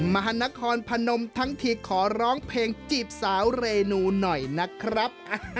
มหานครพนมทั้งทีขอร้องเพลงจีบสาวเรนูหน่อยนะครับ